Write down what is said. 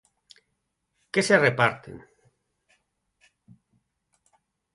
Que se reparten.